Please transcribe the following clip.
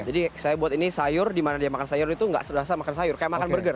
jadi saya buat ini sayur dimana dia makan sayur itu enggak sederhana makan sayur kayak makan burger